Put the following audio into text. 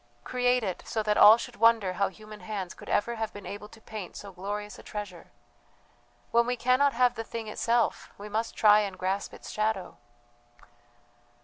Create it so that all should wonder how human hands could ever have been able to paint so glorious a treasure. When we cannot have the thing itself we must try and grasp its shadow."